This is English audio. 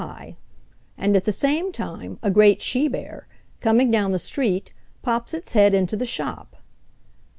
gif)] and at the same time a great she bear, coming down the street, pops its head into the shop.